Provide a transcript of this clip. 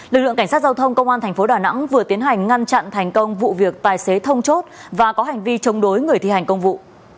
lực lượng cảnh sát giao thông công an tp đà nẵng vừa tiến hành ngăn chặn thành công vụ việc tài xế thông chốt và có hành vi chống đối người thi hành công vụ